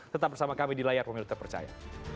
tetap bersama kami di layar pemilu terpercaya